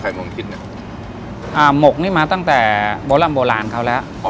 มงคิดเนี้ยอ่าหมกนี่มาตั้งแต่โบร่ำโบราณเขาแล้ว